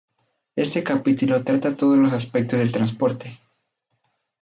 Este capítulo trata todos los aspectos del transporte